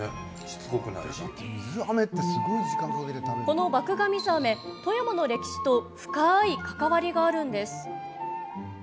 この麦芽水あめ、富山の歴史と深い関わりがあるんです。